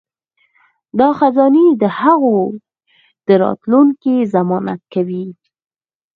دا خزانې د هغوی د راتلونکي ضمانت دي.